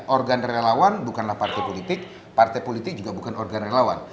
organ relawan bukanlah partai politik partai politik juga bukan organ relawan